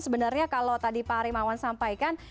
sebenarnya kalau tadi pak arimawan sampaikan